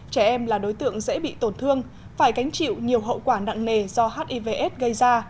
trẻ em là đối tượng dễ bị tổn thương phải cánh chịu nhiều hậu quả nặng nề do hivs gây ra